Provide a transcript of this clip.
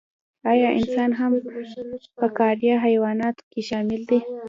ایا انسان هم په فقاریه حیواناتو کې شامل دی